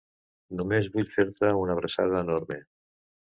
Només vull fer-te una abraçada enorme!